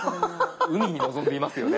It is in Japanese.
海に臨んでいますよね。